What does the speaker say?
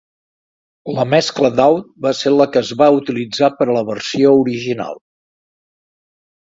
La mescla Dowd va ser la que es va utilitzar per a la versió original.